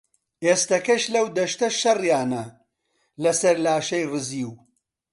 ئێستەکەش لەو دەشتە شەڕیانە لەسەر لاشەی ڕزیو